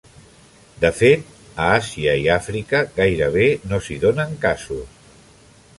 De fet, a Àsia i Àfrica gairebé no s'hi donen casos.